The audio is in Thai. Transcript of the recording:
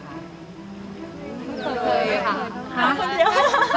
ไม่เคยเลยค่ะ